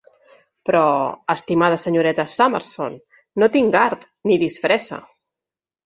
Però, estimada senyoreta Summerson, no tinc art, ni disfressa.